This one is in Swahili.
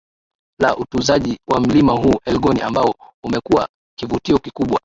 la utuzaji wa mlima huu elgon ambao umekuwa kivutio kikubwa